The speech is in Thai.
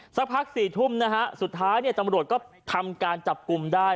สักพัก๔ทุ่มนะฮะสุดท้ายเนี่ยตำรวจก็ทำการจับกลุ่มได้